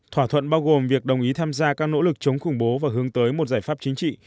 thỏa thuận bao gồm việc đồng ý tham gia các nỗ lực chống khủng bố và hướng tới một giải pháp chính trị